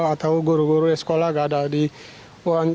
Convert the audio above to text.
atau guru guru di sekolah gak ada